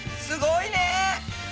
すごいね。